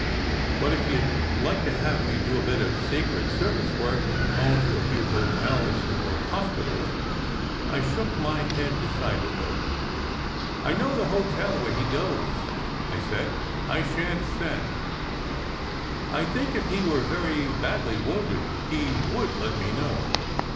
" But if you d like to have me do a bit of secret service work and phone to a few hotels or hospitals " I shook my head decidedly. " I know the hotel where he goes," I said. "I shan t send. I think if he were very badly wounded, he would let me know.